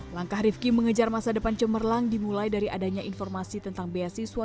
langkah rifki mengejar masa depan cemerlang dimulai dari adanya informasi tentang beasiswa